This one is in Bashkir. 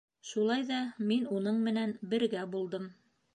Шулай ҙа мин уның менән бергә булдым.